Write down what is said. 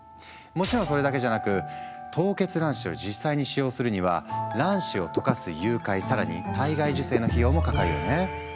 もちろんそれだけじゃなく凍結卵子を実際に使用するには卵子をとかす融解更に体外受精の費用もかかるよね。